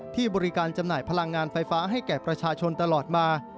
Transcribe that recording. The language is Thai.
ที่บริการจำหน่ายพลังงานไฟฟ้าให้แก่ประชาชนตลอดมา